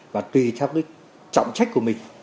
và tùy theo cái trọng trách của mình